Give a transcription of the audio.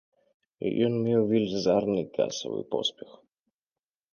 Ён меў велізарны касавы поспех.